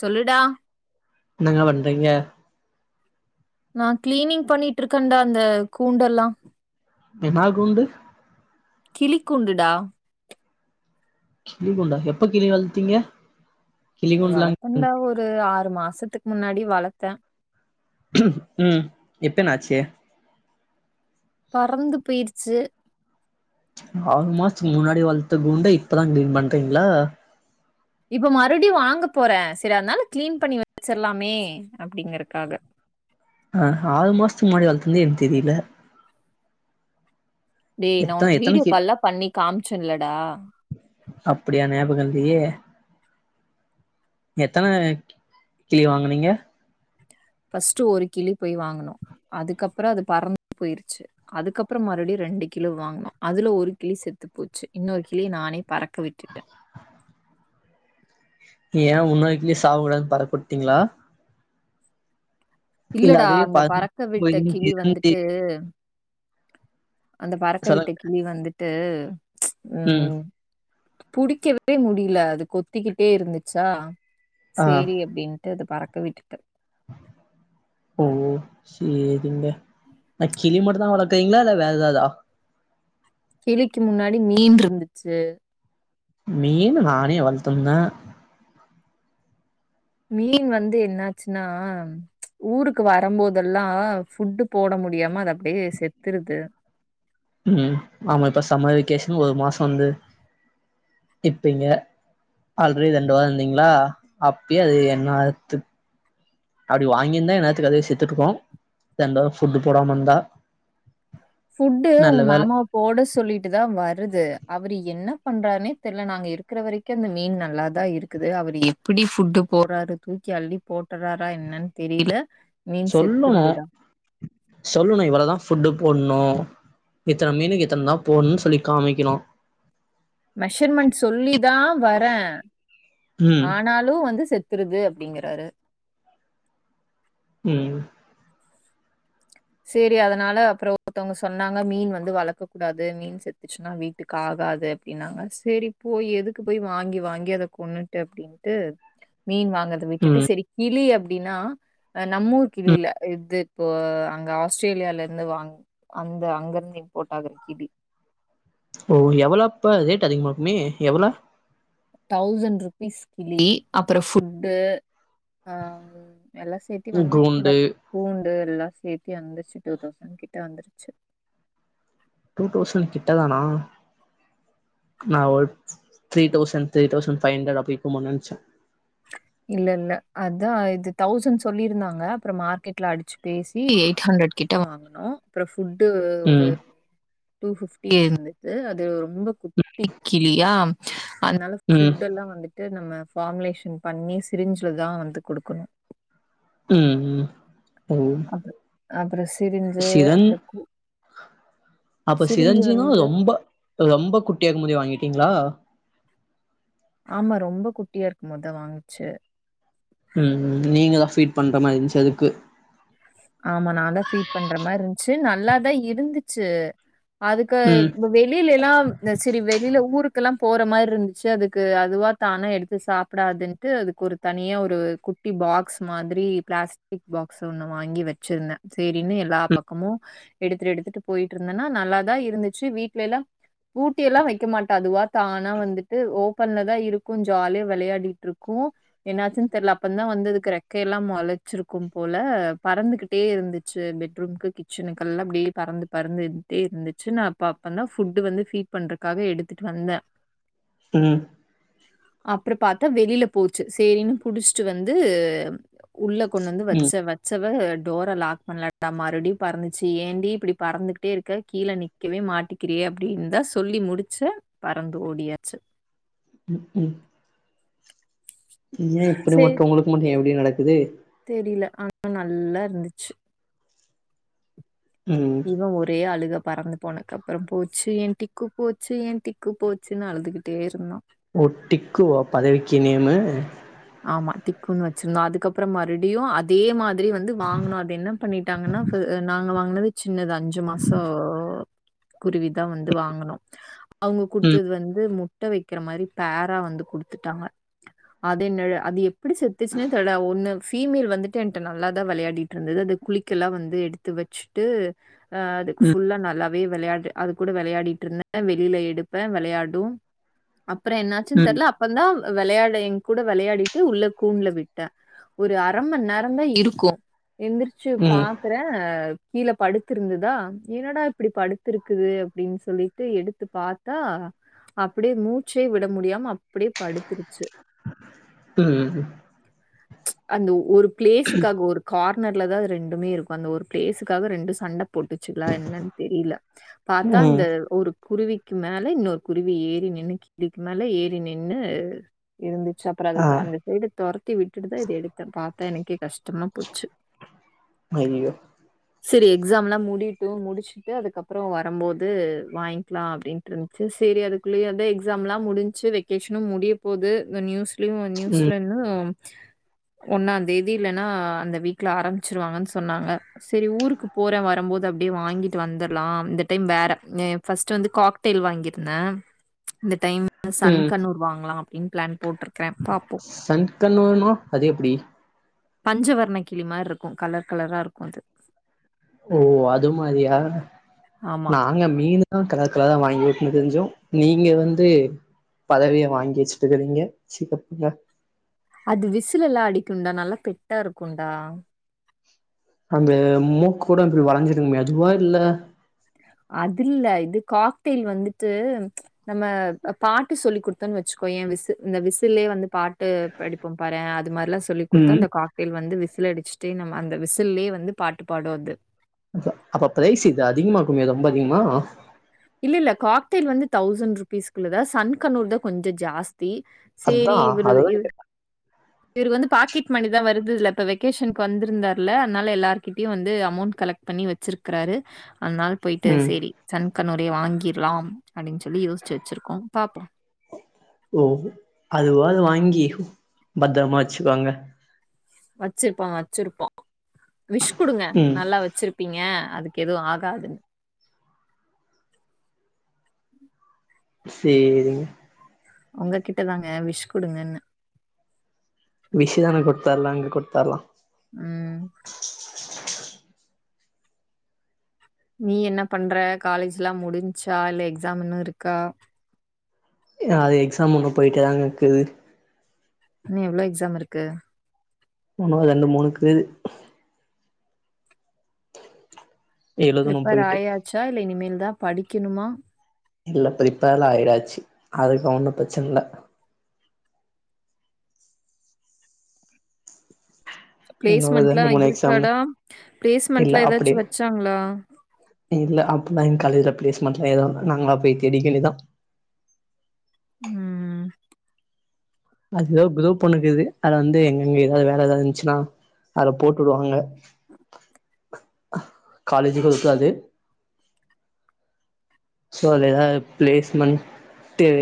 சொல்லுடா என்னங்க பண்றீங்க நா க்ளீனிங் பண்ணிட் இருக்கேன்டா அந்த கூண்டெல்லா என்னா கூண்டு கிளி கூண்டுடா கிளி கூண்டா எப்ப கிளி வளத்தீங்க கிளி கூண்டுலாங் வளத்தேண்டா ஒரு ஆறு மாசத்துக் முன்னாடி வளத்தே ம் இப்ப என்ன ஆச்சி பறந்து போய்ரிச்சி ஆறு மாசத்துக்கு முன்னாடி வளத்த கூண்ட இப்பதா க்ளீன் பண்றீங்ளா இப்போ மறுபடி வாங்க போறே சரி அதனால க்ளீன் பண்ணி வச்சிர்லாமே அப்டிங்கற்காக ஆ ஆறு மாசத்துக்கு முன்னாடி வளர்த்துந்தே எனக்கு தெரில டேய் நா எத்தன ஒனக்கு எத்தன வீடியோ கால்லா பண்ணி காமிச்சே இல்லடா அப்டியா நியாபக இல்லியே எத்தன கிளி வாங்குனீங்க ஃபஸ்ட்டு ஒரு கிளி போய் வாங்குனோ அதுக்கப்புறோ அது பறந்து போய்ரிச்சி அதுக்கப்புறோ மறுபடியு ரெண்டு கிளி வாங்குனோ அதுல ஒரு கிளி செத்து போச்சி இன்னொரு கிளிய நானே பறக்க விட்டுட்டே ஏ இன்னோரு கிளி சாவக்கூடாதுனு பறக்க உட்டீங்ளா இல்ல இல்லடா அதுவே அந்த பறந்து பறக்க விட்ட போய் கிளி வந்துட்டு அந்த பறக்க விட்ட சொல்லுங்க கிளி வந்திட்டு ம் புடிக்கவே முடில அது கொத்திக்கிட்டே இருந்திச்சா ஆ சேரி அப்டின்ட்டு அத பறக்க விட்டுட்டே ஓ சேரிங்க நா கிளி மட்டுதா வள திங்ளா இல்ல வேற எதாதா கிளிக்கு முன்னாடி மீன் இருந்துச்சு மீன் நானே வளத்து வந்தா மீன் வந்து என்னாச்சினா ஊருக்கு வரும்போதெல்லா ஃபுட்டு போட முடியாம அது அப்டியே செத்துருது ம் ஆமா இப்ப சம்மர் வெகேஷன் ஒரு மாசோ வந்து நிப்பீங்க ஆல்ரெடி ரெண்டு வாரோ இருந்தீங்ளா அப்பயே அது என்ன அத்து அப்டி வாங்கியிருந்தா இன்னேரத்துக்கு அதுவே செத்துட்டு இருக்கு ரெண்டு வாரோ ஃபுட்டு் போடாம இருந்தா ஃபுட்டு நல்ல உங்க வேல மாமா போட சொல்லிட்டுதா வருது அவரு என்ன பண்றாருனே தெர்ல நா அங்க இருக்கற வரைக் கு அந்த மீன் நல்லாதா இருக்குது அவர் எப்டி ஃபுட்டு போட்றாரு தூக்கி அள்ளி போட்டுறாரா என்னன் தெரியில சொல்லணு சொல்லணு இவ்வளதா ஃபுட்டு போடணு இத்தன மீனுக்கு இத்தன தா போடணுனு சொல்லி காமிக்கணு மெஷர்மெண்ட் சொல்லி தா வரே ம் ஆனாலு வந்து செத் ருது அப்டிங்றாரு ம் சேரி அதனால அப்புறம் ஒருத்தவங்க சொன்னாங்க மீன் வந்து வளர்க்க கூடாது மீன் செத் துச்சுன்னா வீட்டுக்கு ஆகாது அப்படின்னாங்க சரி போய் எதுக்கு போய் வாங்கி வாங்கி அத கொன்னுட்டு அப்படின்னு டு மீன் வாங் றத ம் விட்டுட்டு சரி கிளி அப்படின்னா நம்மூர் ம் கிளில இது இப்போ அங்க ஆஸ்திரேலியால இருந்து வாங் அந்த அங்கிருந்து இம்போர்ட் ஆகுற கிளி ஓ எவ்ளப்ப ரேட் அதிகமாக இருக்குமே எவ்ள தௌசண்ட் ருபீஸ் கிளி அப்புறம் ஃபுட்டு ஹ எல்லாம் சே சேத்தி வந்துருச்சு டா கூண்டு கூண்டு எல்லாம் சே்த்தி வந்துருச்சு டூ தௌசண்ட் கிட்ட வந்துருச்சு டூ தௌஸண்ட் கிட்டதானா நா ஒரு three thousand three thousand five hundred அப்டிக்குமோன்னு நெனச்சேன் ஆஹ இல்ல இல்ல அதான் இது தௌசண்ட் சொல்லியிருந்தாங்க அப்புறம் மார்க்கெட்ல அடிச்சு பேசி எயிட் ஹண்ட்ரட் கிட்ட வா னோ அப்ரோ ஃபுட்டு ஒரு ம் டூ ஃபிப்டி இருந்தது அது ரொம்ப குட்டிக் கிளி யா அதனால ம் ஃபுட்டெல்லாம் வந்துட்டு நம்ம ஃபாம்லேஷன் பண்ணி சிரிஞ்ல தான் வந்து குடுக்கணும் ம் ம் ஓ அ அப்புற சிரிஞ்சி சிரஞ் அப்புறம் கூ அப்ப சிரிஞ்சின்னா வந்து ரொம்ப ரொம்ப குட்டியாக்கும் போதே வாங்கிட்டீங்களா ஆமா ரொம்ப குட்டியா இருக்கும் மோதா வாங்கிச்சு ம் நீங்க தான் ஃபீட் பண்ற மாதி இருந்துச்சு அதுக்கு ஆமா நான் தான் ஃபீட் பண்ற மாதிரி இருந்துச்சு நல்லாதான் இருந்துச்சு அதுக்கு ம் வெளியிலல்லாம் சரி வெளியில ஊருக்கேல்லாம் போற மாதிரி இருந்துச்சு அதுக்கு அதுவா தான எடுத்து சாப் ப்டாதுன்ட்டு அதுக்கு ஒரு தனியா ஒரு குட்டி பாக்ஸ் மாதிரி பிளாஸ்டிக் பாக்ஸ் ஒன்னும் வாங்கி வச்சிருந்தேன் சரின்னு எல்லா பக்கமும் எடுத்துட்டு எடுத்துட்டு போயிட்டு இருந்தேன்னா நல்லாதான் இருந்துச்சு வீட்டுலெல்லாம் பூட்டியல்லாம் வைக்க மாட்டே அதுவா தானா வந்துட்டு ஓபன்ல தான் இருக்கும் ஜாலிய விளையாடிட்டு இருக்கும் என்னாச்சுன்னு தெர்ல அப்ப தான் வந்து இருக்கிறேன் ரெக்க எல்லாம் முளைச்சிருக்கும் போல பறந்துக்கிட்டே இருந்துச்சு பெட்ரூமுக்கு கிச்சனுக்கெல்லாம் அப்படியே பறந்து பறந்துக்கிட்டே இருந்துச்சு நான் பாப்பன்னா ஃபுட்டு வந்து ஃபீட் பண்றக்காக எடுத்துட்டு வந்தேன் ம் அப்புறம் பாத்தா வெளியில போச்சு சரின்னு புடிச்சிட்டு வந்து உள்ள கொண்டு வந்து ம் வச்ச வ சவ டோர லாக் பண்ணலடா மறுபடியும் பறந்துச்சு ஏண்டி இப்படி பறந்துகிட்டே இருக்க கீழே நி கவே மாட்டிக்கிறியே அப்படின்னு தா சொல்லி முடிச்ச பறந்து ஓடியாச்சு உம் உம் ஏன் இப்படி மட்டும் உங்களுக்கு மட்டும் ஏன் இப்படியே நடக்குது தெரில ஆனா நல்லா இருந்துச்சு ம் இவன் ஒரே அழுக பறந்து போனக்கப்றோ போச்சு என் டிக்கு போச்சு எ டிக்கு போச்சுன்னு அழுதுகிட்டே இருந்தா ஓ டிக்குவா பதவிக்கி நேமு ஆமா டிக்குன்னு வச்சுருந்தா அதுக்கப்றோ மறுப்டியு அதே மாதி ரி வந்து வாங்னு அது என்ன பண்ணிட்டாங்கன்னா நாங்க வாங்னது சின்னது அஞ்சு மாசோ குருவிதா வந்து வாங்குனோ அவுங்க ம் குடுத்தது வந்து மு ட்ட வைக்கிற மாரி பேரா வந்து குடுத்துட்டாங்க தென்னெழ அது எப்டி செத்துச்சுனே தெர்ல ஒன்னு ஃபீமேல் வந்துட்டு என்ட்ட நல்லாதா வெளையாடிட்டு இருந்தது அது குளிக்கல்லா வந்து எடுத்து வச்சுட்டு அ அதுக்கு ம் ஃபுல்லா நல்லாவே வெளையாடு அது கூட வெளையாடிட்டு இருந்தே வெளில எடுப்பே வெளையாடு அப்றோ என்னாச்சுன் ம் தெர்ல அப்ப தா வெளையாடி எ கூட வெளையாடிட்டு உள்ள கூண்ல விட்டே ஒரு அரமண்நேரோ தா இருக்கு எந்துரு ச்சு பா ம் க்குறே கீழ படுத்திருந்ததா என்னடா இப்டி படுத்திருக்குது அப்டின் சொல்லிட்டு எடுத்து பாத் தா அப்டியே மூச்சே விட முடியாம அப்டியே படுத்துருச்சு ம் அந்த ஒரு பிளேஸுக்காக ஒரு கார்னர்ல தா அது ரெண்டுமே இருக்கு அந்த ஒரு பிளேஸுக்காக ரெண்டு சண்ட போட்டு ச்சுங்ளா என்னென் தெரில பாத்தா ம் அந்த ஒரு குருவி க்கு மேல இன்னொரு குருவி ஏறி நின்னு கீழிக்கு மேல ஏறி நின்னு இருந்து அப்றோ அது ஆ அந்த சைடு தொரத்தி விட்டுட்டுதா இது எடுத்தே பாத்தா எனக்கே கஷ்டமா போச்சு அய்யயோ செரி எக்ஸாம்ல்லா முடியட்டு முடிச்சு ட்டு அதுக்கப்றோ வரம்போது வாய்ன்க்லா அப்டின்ட்டு இருந்ச்சு சேரி அதுக்குள்ளயே வந்து எக்ஸா எக்ஸாம்ல்லா முடுன்ச்சு வெக்கேஷ்னு முடிய போது இந்த நியூஸ்லயு ம் நியூஸ்லன்னு ஒன்னாந்தேதி இல்லன்னா அந்த வீக்ல ஆரம்பிச்சிருவாங்கன் சொன்னாங்க செரி ஊருக்கு போறே வரம்போது அப்டியே வாங்கிட்டு வந்துர்லா இந்த டைம் வேற ஃபர்ஸ்ட் வந்து காக் டெயில் வாங்கிருந்தே இந்த டைம் சன் கண்ணூர் வாங்லா அப்டின் பிளான் போட்ருக் சன்கண்ணூர்னோ அது எப்டி பஞ்சவர்ண கிளி மார்ருக்கு கலர் கலரா இருக்கு அது ஓ அது மாரியா ஆமா. நாங்க மீனு ஆ கலர் கலர் வாங்கி வுட்னு திரிஞ்சோ நீங்க வந்து பதவிய வாங்கி வச்சுட்டுக்குறீங்க சிகப்புங்க அது விசிலெல்லா அடிக்குண்டா நல்லா பெட்டா இருக்குண்டா அந்த மூக்கூட இப்டி வளஞ்சிருக்குமே அதுவா இல்ல அதுல்ல இது காக்டெயில் வந்துட்டு நம்ம பாட்டு சொல்லி குடுத்தோன்னு வச்சுக்கோயே விசு இந்த விசில்லயே வந்து பாட்டு படிப் போ பாரே அது மாரிலா சொல்லி குடுத்தா ம் அந்த காக்டேல் வந்து விசில் அடிச்சுட்டே நம்ம அந்த விசில்லையே வந்து பாட்டு பாடு அது அப்ப பிரைஸ் இது அதிகமாக்குமே ரொம்ப அதிகமா இல்லல்ல காக்டெய்ல் வந்து தௌசண்ட் ருபீஸ்க்குள்ளதா சன் கண்ணூர் தா கொஞ்ச ஜாஸ்தி அதா அததா கேட்டே இவுரு வந்து பாக்கெட் மணி தா வருதுல்ல இப்ப வெகேஷன்க்கு வந்துருந்தார்ல அனால எல்லார்கிட்டயு வந்து அமௌண்ட் கலெக்ட் பண்ணி வச்சிருக்றாரு அன்னால் போயிட்டு ம் சேரி சன் கண்ணூரயு வாங்கிர்லாம் அப்டின் சொல்லி யோச்சு வச்சிருக்கோ பாப்போ ஒ அதுவாது வாங்கி பத்திரமா வச்சுக்குவாங்க வச்சிருப்போ வச்சிருப்போ விஷ் கொடுங்க ம் நல்லா வச்சிரு இருப்பீங்க அதுக்கு எதுவு ஆகாதுன்னு சேரிங்க உங்க கிட்டதாங்க விஷ் குடுங்க விஷதான குடுத்தரலா அங்க குடுத்தரலா ம் [inaudible] நீ என்ன பண்ற காலேஜ் எல்லா முடிஞ்ச்சா இல்ல எக்ஸாம் இன்னு இருக்கா அது எக்ஸாம் இன்னு போய்ட்டே தாங்க இருக்குது இன்னு எவ்வளோ எக்ஸாம் இருக்கு ஒணு ரெண்டு மூணுக்கு எழுதணு பிரிப்பர் போயிட்டு ஆயாச்சா இல்ல இனிமேல் தா படிக்கணுமா இல்ல பிரிப்பேர்ல ஆயாச்சு அதுக்கு ஒண்ணு பிரச்சனை இல்ல இன்னொரு பிளேஸ்மென்ட் எலா ரெண்டு மூணு எக்ஸாம்னு இருக்காடா இல்ல பிளேஸ்மெண்ட்லா அப்படி ஏதாச்சு வச்சாங்களா இல்ல அப்பதான் என் காலேஜ்ல பிளேஸ் மெண்ட்லா எதுவு நாங்களல்லா போய் தேடிக்க வேண்டிதா ம் அது ஏதாவது பிகு பண்ணுக்குது அதது வந்து எங்கங்க ஏதாவது வேல ஏதாவ இருந்துச்சுன்னா அதல போட்டுடுவாங்க காலேஜுக்கு இருக்காது சோ அததுதா ப்ளேஸ்மென்ட்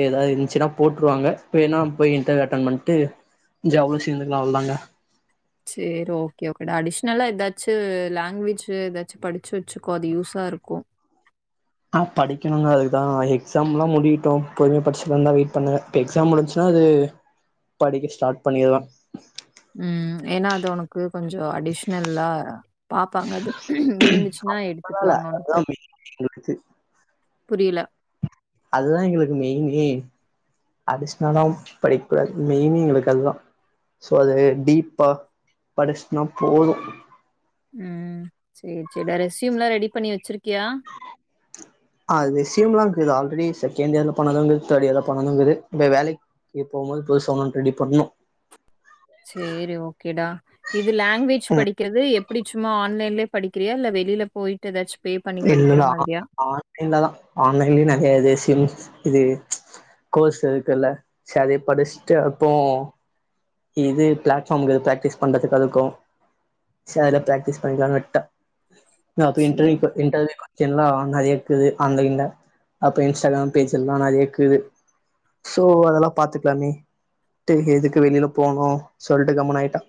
எதாவது இருந்துச்சுன்னா போட்டுருவாங்க இன்னா போய் இன்டர் அட்டன் பண்ணிட்டு [unintelligible] சேந்துலா வந்தாங்க சரி ஓகே ஓகேடா அடிஷனலா ஏதாச்சு லாங்குவேஜ் ஏதாச்சு படிச்சு வச்சுக்கோ அது யூஸா இருக்கு அ படிக்கணுதா அதுதா எக்ஸாம் எலாம் முடியட்டு பொறுமயா படிச்சுக்கலாந்தா வெயிட் பண்ணுவே எக்ஸாம் முடிச்சுன்னா அது படிக்க ஸ்டார்ட் பண்ணிருவ ம் ஏன்னா அது உனக்கு கொஞ்சோ அடிஷ்னல்லா பாப்பாங்க அது இருந்துச்சுன்னா பரவால்ல எடுத்துக்குவாங்க உனக்கு அதுதான் மெயின் எங்களுக்கு புரியல அதுதா எங்களுக்கு மெயினே அடிஷ்னாலாம் படிக்ககூடாது மெயினே எங்களுக்கு அதுதா சோ அது டீப்பா படிச்சனா போது ம் சேரி சேரிடா ரெஸ்யூம் எல்லா ரெடி பண்ணி வச்சிருக்கியா அ ரெஸ்யூம்லா இருக்குது ஆல்ரெடி செகண்ட் இயர்ல பண்ணதுங்கது தேர்ட் இயர்ல பண்ணும்ங்கது இப்ப வேலைக்கு போகும்போது [unintelligible] ரெடி பண்ணணு சேரி ஓகேடா இது லாங்குவேஜ் படிக்கிறது அப்டி சும்மா ஆன்லைன்லய படிக்கிறியா இல்ல வெளில போயிட்டு ஏதாச்சு இல்லல்ல அ ஆ ஆன்லைன்ல தா ஆன்லைன்லயும் நெறைய இது சிம்ஸ் இது கோர்ஸ் இருக்குல்ல சரி படிச்சுட்டு அப்போ இது பிளாட்ஃபாம்க்கு பிராக்டிஸ் பண்றதுக்கா இருக்கு பிராக்டிஸ் பண்ணிக்கலாம்னு விட்டே அப்ப சரி. இன்டர்வ்யூ இன்டர்வியூ நெறைய இருக்குது ஆன்லைன்ல அப்ப இன்ஸ்டாகிராம் பேஜ்ல்லா நான் கேக்குது சோ அதெல்லா பாத்துக்கலாமே எதுக்கு வெளியில போகணு சொல்லிட்டு கம்முன ஆாயிட்டா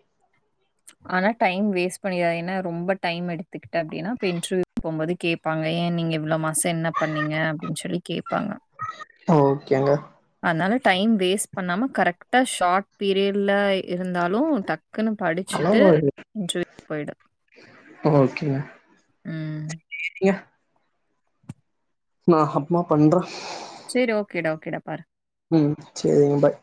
ஆனா டைம் வேஸ்ட் பண்ணாருதீங்கன்ன ரொம்ப டைம் எடுத்துக்கிட்டட்டு அப்டின்னா இப்ப இன்டர்வியூ போகும்போது கேப்பாங்க ஏன் நீங்க இவ்வளோ மாச என்ன பண்ணீங்க அப்டின்னு சொல்லி கேப்பாங்க ஓகேங்க அதனால டைம் வேஸ்ட் பண்ணாம கரெக்டா ஷார்ட் பீரியட்ல இருந்தாலு டக் க்குன்னு ஹலோ படிச்சுட்டு இன்டர்வியூ போயிடு ஓகேங்க ம் நீங்க ரெடியா நா அப்பம்மா பண்ற சேரி ஓகேடா ஓகேடா பாரு ம் சேரிங்க பாய்